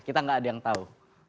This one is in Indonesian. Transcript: kita gak ada yang tau